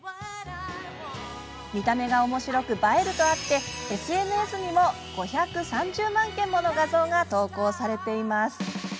見た目がおもしろく「映える」とあってＳＮＳにも５３０万件もの画像が投稿されています。